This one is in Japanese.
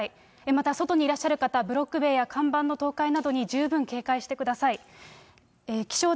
また外にいらっしゃる方、ブロック塀や看板の倒壊などに十分警戒してください。